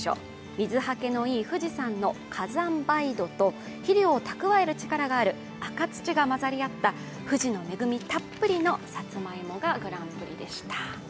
水はけのいい富士山の火山灰土と肥料を蓄える力がある赤土が混ざり合った富士の恵みたっぷりのさつまいもがグランプリでした。